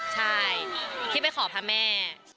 ใช่ที่ไปขอพระแม่